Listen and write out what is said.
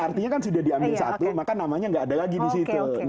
artinya kan sudah diambil satu maka namanya nggak ada lagi di situ